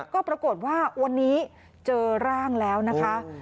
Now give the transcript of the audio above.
ก็ปรากฏว่าวันนี้เจอร่างแล้วนะคะ